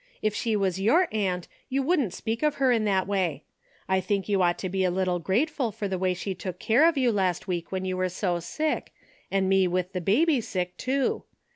If she was your aunt, you wouldn't speak of her in that way. I think you ought to be a little grateful for the way she took care of you last week when you were so sick, and me with the baby sick, too.